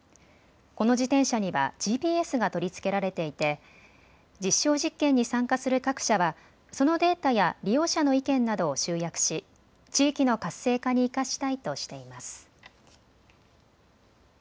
この自転車にはＧＰＳが取り付けられていて実証実験に参加する各社はそのデータや利用者の意見などを集約し地域の活性化に生かしたいとしています。